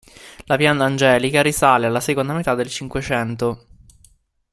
La pianta Angelica risale alla seconda metà del Cinquecento.